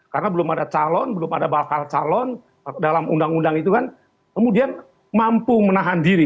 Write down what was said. karena belum ada calon belum ada bakal calon dalam undang undang itu kan kemudian mampu menahan diri